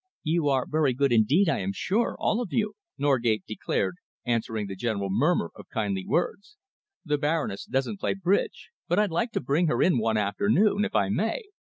"You are very good indeed, I am sure, all of you," Norgate declared, answering the general murmur of kindly words. "The Baroness doesn't play bridge, but I'd like to bring her in one afternoon, if I may."